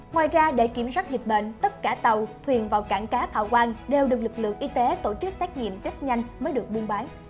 ngoài ra để kiểm soát dịch bệnh tất cả tàu thuyền vào cảng cá thọ quang đều được lực lượng y tế tổ chức xét nghiệm test nhanh mới được buôn bán